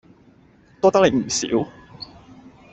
多得你唔少